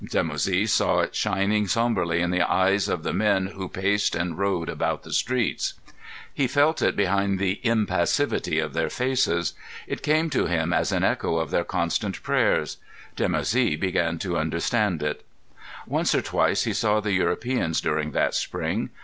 Dimoussi saw it shining sombrely in the eyes of the men who paced and rode about the streets; he felt it behind the impassivity of their faces. It came to him as an echo of their constant prayers. Dimoussi began to understand it. Once or twice he saw the Europeans during that spring.